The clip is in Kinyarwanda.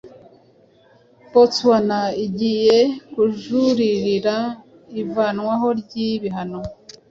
Botswana igiye kujuririra ivanwaho ry'ibihano